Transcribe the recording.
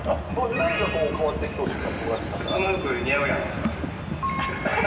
何が変わってきそうですか。